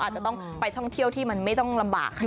อาจจะต้องไปท่องเที่ยวที่มันไม่ต้องลำบาก